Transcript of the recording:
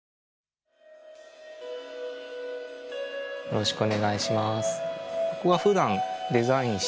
よろしくお願いします。